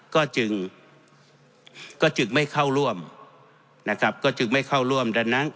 ก็จึงไม่เข้าร่วม